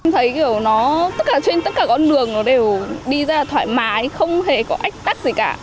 thấy kiểu nó tức là trên tất cả con đường nó đều đi rất là thoải mái không hề có ách tắc gì cả